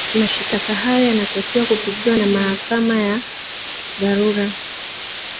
mashitaka hayo yanatakiwa kupitiwa na mahakama ya dharura